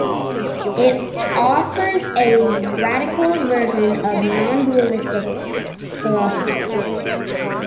It offers a radical version of non-dualistic philosophy.